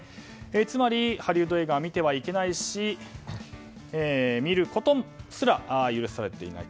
つまりハリウッド映画を見てはいけないし見ることすら許されていない。